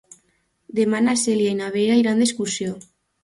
Demà na Cèlia i na Vera iran d'excursió.